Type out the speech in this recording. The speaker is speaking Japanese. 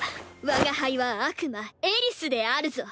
我が輩は悪魔エリスであるぞ。